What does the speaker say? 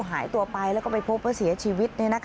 หายตัวไปแล้วก็ไปพบว่าเสียชีวิต